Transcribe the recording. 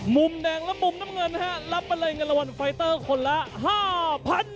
มุมแดงและมุมน้ำเงินครับรับเป็นอะไรกันละวันไฟเตอร์คนละ๕๐๐๐บาท